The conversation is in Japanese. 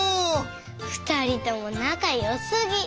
ふたりともなかよすぎ！